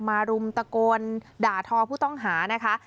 รุมตะโกนด่าทอผู้ต้องหานะคะ